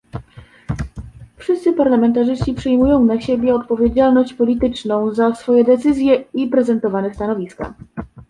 Wszyscy parlamentarzyści przyjmują na siebie odpowiedzialność polityczną za swoje decyzje i prezentowane stanowiska